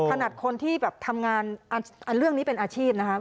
ขนาดคนที่แบบทำงานเรื่องนี้เป็นอาชีพนะคะ